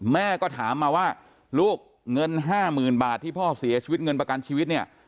แม่ก็ถามมาว่าลูกเงิน๕๐๐๐บาทที่พ่อเสียชีวิตเงินประกันชีวิตเนี่ย